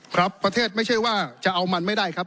ประเทศไม่ใช่ว่าจะเอามันไม่ได้ครับ